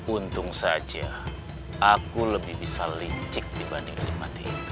untung saja aku lebih bisa licik dibanding adipati itu